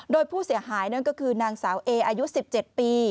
โดยผู้เสียหายนั่นก็คือนางสาวเออายุ๑๗ปี